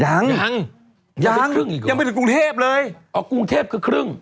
ยังยังยังไปถึงกรุงเทพฯเลยอ๋อกรุงเทพฯคือครึ่ง